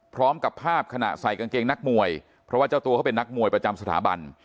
พร้อมกับภาพขณะใส่กางเกงนักมวยเพราะว่าเจ้าตัวเขาเป็นนักมวยประจำสถาบัน